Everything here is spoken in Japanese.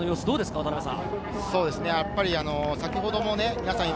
渡辺さん。